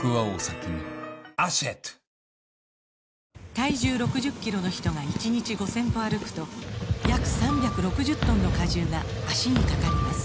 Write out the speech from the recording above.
体重６０キロの人が１日５０００歩歩くと約３６０トンの荷重が脚にかかります